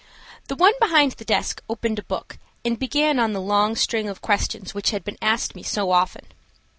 The one behind the desk opened a book and began on the long string of questions which had been asked me so often.